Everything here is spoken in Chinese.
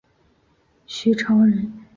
徐潮人。